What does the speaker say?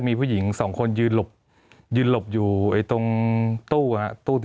มีความรู้สึกว่ามีความรู้สึกว่ามีความรู้สึกว่า